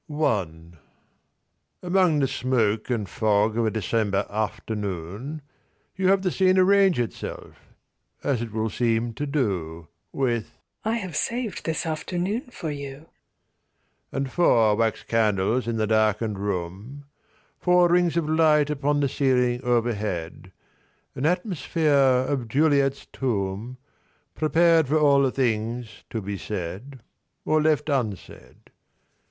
I Among the smoke and fog of a December afternoon You have the scene arrange itself as it will seem to do With "I have saved this afternoon for you"; And four wax candles in the darkened room, Four rings of light upon the ceiling overhead, An atmosphere of Juliet's tomb Prepared for all the things to be said, or left unsaid.